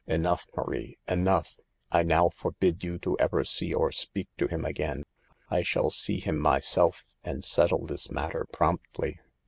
"Enough, Marie, enough. I now forbid you to ever see or speak to him again. I shall see him myself and settle this matter promptly.''